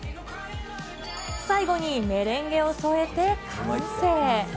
最後にメレンゲを添えて、完成。